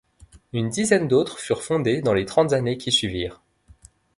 Une dizaine d'autres furent fondés dans les trente années qui suivirent.